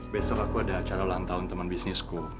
besok aku ada acara ulang tahun teman bisnisku